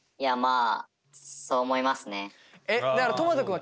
あ。